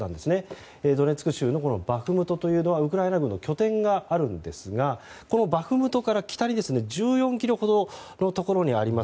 ドネツク州のバフムトはウクライナ軍の拠点があるんですがこのバフムトから北に１４ｋｍほどのところにあります